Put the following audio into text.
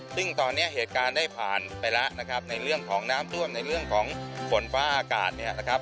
ซึ่งตอนนี้เหตุการณ์ได้ผ่านไปแล้วนะครับในเรื่องของน้ำท่วมในเรื่องของฝนฟ้าอากาศเนี่ยนะครับ